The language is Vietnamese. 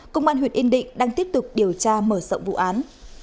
công an huyện yên định đang tiếp tục điều tra mở rộng vụ án